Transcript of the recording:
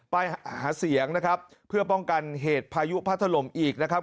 ไปหาเสียงนะครับเพื่อป้องกันเหตุพายุพัดถล่มอีกนะครับ